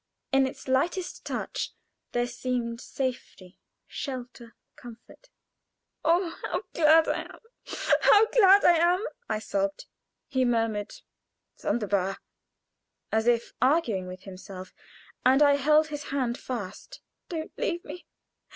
In its lightest touch there seemed safety, shelter, comfort. "Oh, how glad I am! how glad I am!" I sobbed. He murmured "Sonderbar!" as if arguing with himself, and I held his hand fast. "Don't leave me!